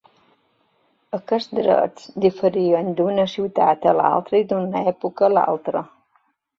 Aquests drets diferien d'una ciutat a l'altra i d'una època a l'altra.